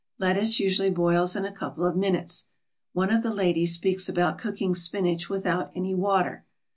Lettuce usually boils in a couple of minutes. One of the ladies speaks about cooking spinach without any water.